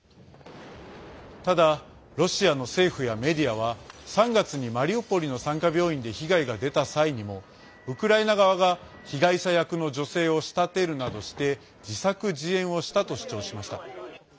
ただ、ロシアの政府やメディアは３月にマリウポリの産科病院で被害が出た際にもウクライナ側が被害者役の女性を仕立てるなどして自作自演をしたと主張しました。